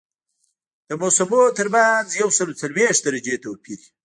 د موسمونو ترمنځ یو سل او څلوېښت درجې توپیر وي